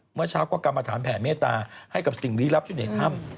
เมื่อเช้าก็กรรมฐานแผ่เมตตาให้กับสิ่งลี้ลับอยู่ในถ้ำ